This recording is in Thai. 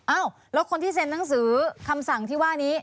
อ้าวแล้วคนที่เซ็นหนังสือคำสั่งที่ว่านี้